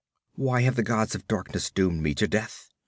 'Why have the gods of darkness doomed me to death?'